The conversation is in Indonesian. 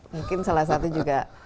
mungkin salah satu juga